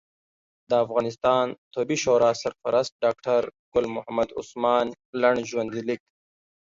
د افغانستان طبي شورا سرپرست ډاکټر ګل محمد عثمان لنډ ژوند لیک